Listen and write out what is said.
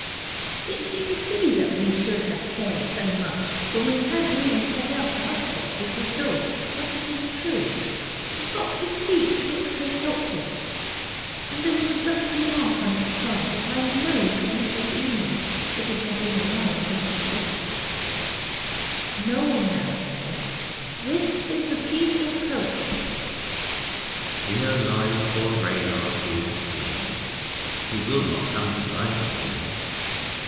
It seems silly that we should have cared so much when we had really set out to hunt foxes with dogs, but it is true. The fox's feet looked so helpless. And there was a dusty mark on its side that I know would not have been there if it had been alive and able to wash itself. Noel now said, 'This is the piece of poetry': 'Here lies poor Reynard who is slain, He will not come to life again.